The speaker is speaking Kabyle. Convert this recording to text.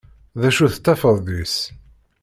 D acu tettafeḍ deg-s.